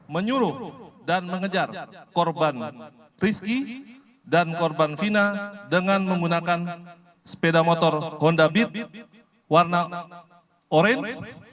menyuruh dan mengejar korban rizky dan korban fina dengan menggunakan sepeda motor honda bit warna orange